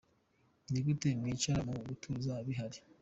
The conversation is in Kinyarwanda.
Ni gute mwicara mu gatuza bihari?".